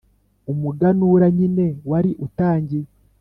umuganura nyine wari utangiye